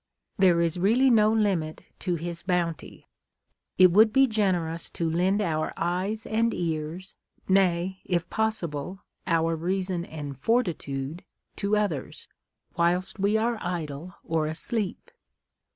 There is really no limit to his bounty: " It would be generous to lend our eyes and ears, nay, if possible, our reason and fortitude to others, whilst wc are idle or asleep."